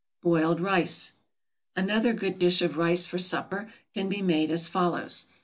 =Boiled Rice.= Another good dish of rice for supper can be made as follows.